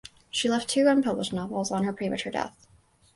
She left two unpublished novels on her premature death.